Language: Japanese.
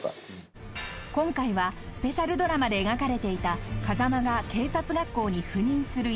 ［今回はスペシャルドラマで描かれていた風間が警察学校に赴任する以前の話］